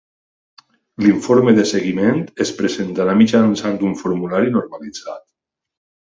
L'informe de seguiment es presentarà mitjançant un formulari normalitzat.